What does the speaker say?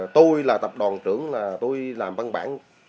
tôi là tập đoàn trưởng là tôi làm văn bản